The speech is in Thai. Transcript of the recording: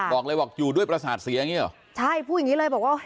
บอกเลยบอกอยู่ด้วยประสาทเสียอย่างงี้เหรอใช่พูดอย่างงี้เลยบอกว่า